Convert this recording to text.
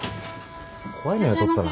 ・怖いの雇ったな。